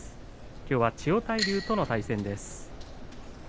きょうは千代大龍との対戦です。